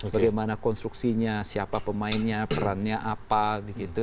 bagaimana konstruksinya siapa pemainnya perannya apa begitu